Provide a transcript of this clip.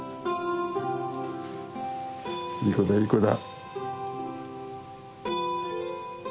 いい子だいい子だ。